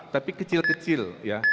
tapi kecil kecil ya